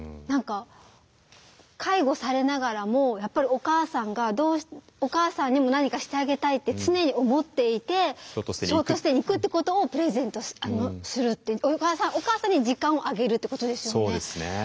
何か介護されながらもやっぱりお母さんがどうお母さんにも何かしてあげたいって常に思っていてショートステイに行くってことをプレゼントするってお母さんに時間をあげるってことですよね。